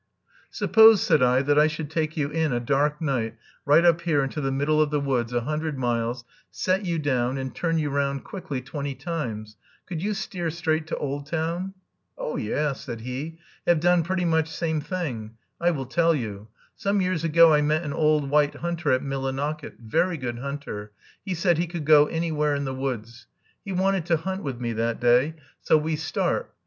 "Suppose," said I, "that I should take you in a dark night, right up here into the middle of the woods a hundred miles, set you down, and turn you round quickly twenty times, could you steer straight to Oldtown?" "Oh, yer," said he, "have done pretty much same thing. I will tell you. Some years ago I met an old white hunter at Millinocket; very good hunter. He said he could go anywhere in the woods. He wanted to hunt with me that day, so we start.